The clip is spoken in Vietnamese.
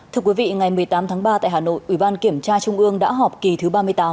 thưa quý vị ngày một mươi tám tháng ba tại hà nội ủy ban kiểm tra trung ương đã họp kỳ thứ ba mươi tám